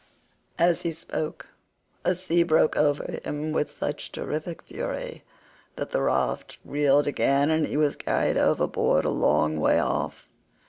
As he spoke a sea broke over him with such terrific fury that the raft reeled again, and he was carried overboard a long way off.